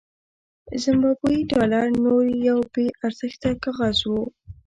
زیمبابويي ډالر نور یو بې ارزښته کاغذ و.